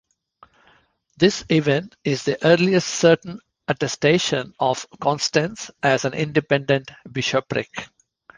This event is the earliest certain attestation of Constance as an independent bishopric.